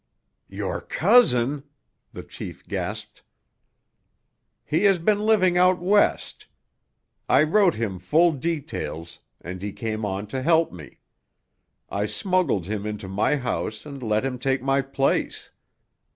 "Your cousin!" the chief gasped. "He has been living out West. I wrote him full details, and he came on to help me. I smuggled him into my house and let him take my place.